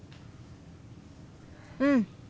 うん。